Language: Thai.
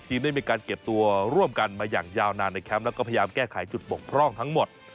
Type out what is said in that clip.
ได้มีการเก็บตัวร่วมกันมาอย่างยาวนานในแคมป์แล้วก็พยายามแก้ไขจุดบกพร่องทั้งหมด